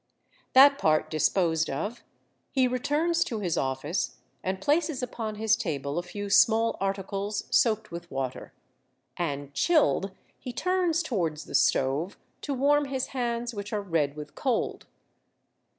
That part disposed of, he returns to his office, and places upon his table a few small articles soaked with water ; and, chilled, he turns towards the stove to warm his hands, which are red with cold.